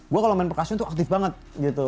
gue kalo main percursion tuh aktif banget gitu